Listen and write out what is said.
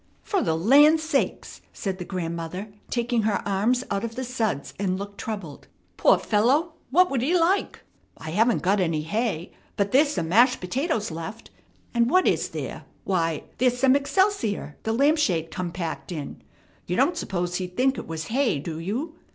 "Fer the land sakes!" said the grandmother, taking her arms out of the suds and looked troubled. "Poor fellow! What would he like? I haven't got any hay, but there's some mashed potatoes left, and what is there? Why, there's some excelsior the lamp shade come packed in. You don't suppose he'd think it was hay, do you?